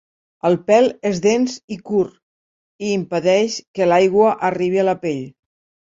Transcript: El pèl és dens i curt i impedeix que l'aigua arribi a la pell.